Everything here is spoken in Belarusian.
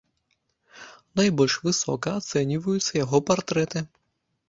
Найбольш высока ацэньваюцца яго партрэты.